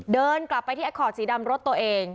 เดินกลับไปที่แอคคอร์ดสีดำรถตัวเอง